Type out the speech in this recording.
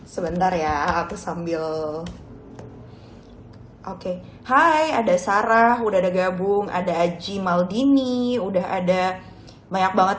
sebentar ya aku sambil oke hai ada sarah udah ada gabung ada aji maldini udah ada banyak banget